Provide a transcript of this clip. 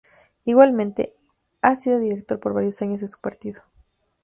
Igualmente, ha sido director por varios años de su partido.